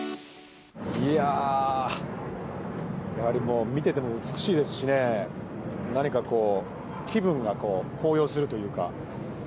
いやー、やはりもう、見てても美しいですしね、何かこう、気分が高揚するというか。